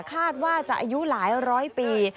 คาดว่าจะอายุหลายร้อยปี